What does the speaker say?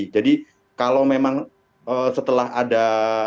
jadi kalau memang setelah ada